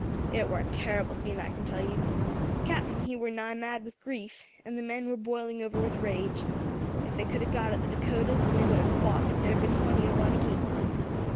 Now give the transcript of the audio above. "It war a terrible scene, I can tell you; the Captain he were nigh mad with grief, and the men were boiling over with rage. If they could have got at the Dacotas then they would have fought if there had been twenty to one against them.